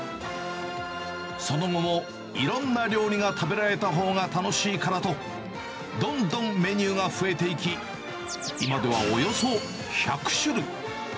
その後も、いろんな料理が食べられたほうが楽しいからと、どんどんメニューが増えていき、今ではおよそ１００種類。